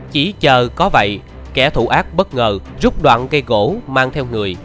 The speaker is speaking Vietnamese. chỉ chờ có vậy kẻ thù ác bất ngờ rút đoạn cây gỗ mang theo người